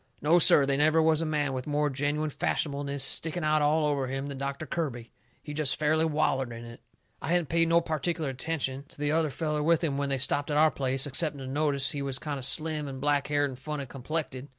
No, sir; they never was a man with more genuine fashionableness sticking out all over him than Doctor Kirby. He jest fairly wallered in it. I hadn't paid no pertic'ler attention to the other feller with him when they stopped at our place, excepting to notice he was kind of slim and blackhaired and funny complected.